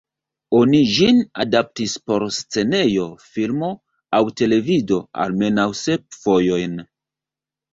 Oni ĝin adaptis por scenejo, filmo, aŭ televido almenaŭ sep fojojn.